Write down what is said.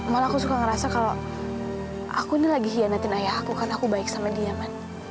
malah aku suka ngerasa kalau aku ini lagi hianatin ayah aku karena aku baik sama dia kan